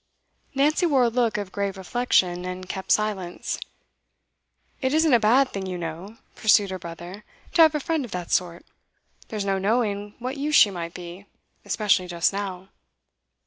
Nancy wore a look of grave reflection, and kept silence. 'It isn't a bad thing, you know,' pursued her brother, 'to have a friend of that sort. There's no knowing what use she might be, especially just now.